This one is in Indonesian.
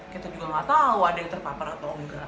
kita juga nggak tahu ada yang terpapar atau enggak